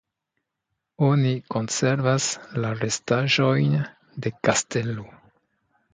Oni konservas la restaĵojn de kastelo.